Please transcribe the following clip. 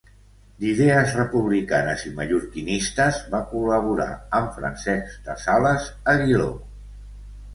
D'idees republicanes i mallorquinistes, va col·laborar amb Francesc de Sales Aguiló.